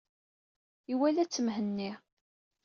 Iwala-tt Mhenni.